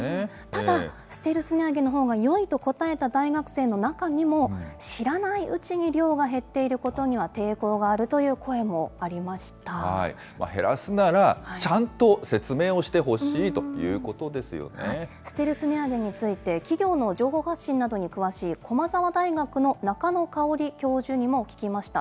ただ、ステルス値上げのほうがよいと答えた大学生の中にも、知らないうちに量が減っていることには、減らすなら、ちゃんと説明をステルス値上げについて、企業の情報発信などに詳しい駒澤大学の中野香織教授にも聞きました。